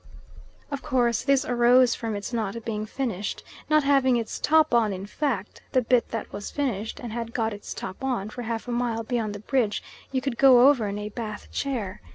Of course this arose from its not being finished, not having its top on in fact: the bit that was finished, and had got its top on, for half a mile beyond the bridge, you could go over in a Bath chair.